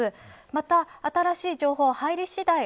また新しい情報が入りしだい